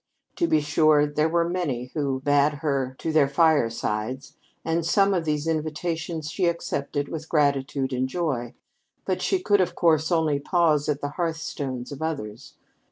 To be sure, there were many who bade her to their firesides, and some of these invitations she accepted with gratitude and joy. But she could, of course, only pause at the hearthstones of others.